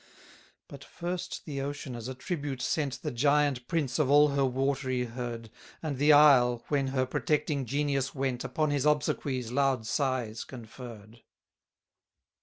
35 But first the ocean as a tribute sent The giant prince of all her watery herd; And the Isle, when her protecting genius went, Upon his obsequies loud sighs conferr'd.